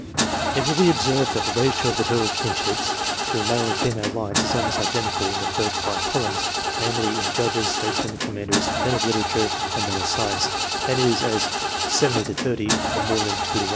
100 100 100 100 100 100 100 100 100 It will be observed that the ratio of the total kinships, through male and female lines, is almost identical in the first five columns, namely, in Judges, Statesmen, Com manders, Men of Literature, and Men of Science, and is as 70 to 30, or more than 2 to 1.